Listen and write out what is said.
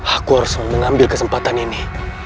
aku harus mengambil kesempatan ini